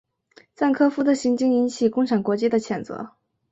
赞科夫的行径引起共产国际的谴责。